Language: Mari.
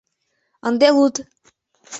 Ынде луд!